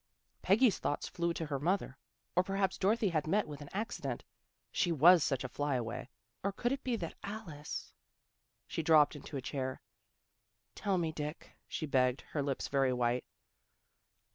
Peggy's thoughts flew to her mother. Or perhaps Dorothy had met with an accident. She was such a flyaway. Or could it be that Alice She dropped into a chair. " Tell me, Dick," she begged, her lips very white.